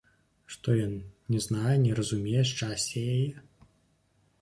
Што ён не знае, не разумее шчасця яе?